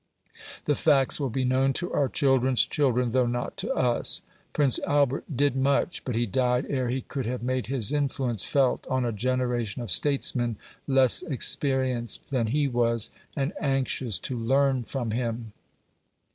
The facts will be known to our children's children, though not to us. Prince Albert did much, but he died ere he could have made his influence felt on a generation of statesmen less experienced than he was, and anxious to learn from him.